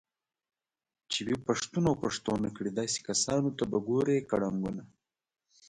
چې وي پښتون اوپښتونكړي داسې كسانوته به ګورې كړنګونه